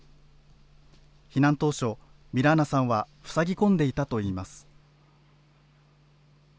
避難当初、ミラーナさんはふさぎ込んでいたといいます。